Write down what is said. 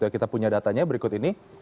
kita punya datanya berikut ini